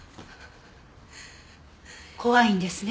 怖いんですね。